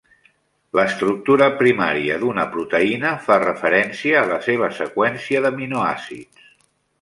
L'estructura primària d'una proteïna fa referència a la seva seqüència d'aminoàcids.